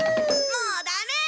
もうダメ！